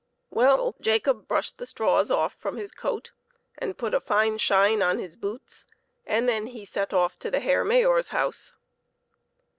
Well, Jacob brushed the straws off from his coat, and put a fine shine on his boots, and then he set off to the Herr Mayor's house.